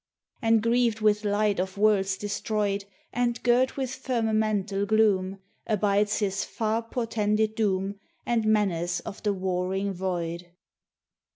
And greaved with light of worlds destroyed, And girt with firmamental gloom, Abides his far, portended doom And menace of the warring void.